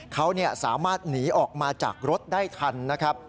เขาสามารถหนีออกมาจากรถได้ทันนะครับ